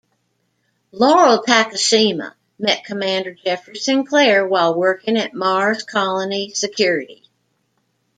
Laurel Takashima met Commander Jeffrey Sinclair while working at Mars Colony Security.